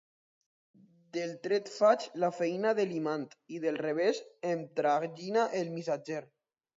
Del dret faig la feina de l'imant i del revés em tragina el missatger.